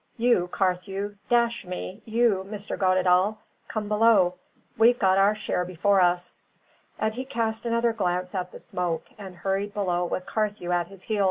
You, Carthew dash me! You, Mr. Goddedaal, come below. We've our share before us." And he cast another glance at the smoke, and hurried below with Carthew at his heels.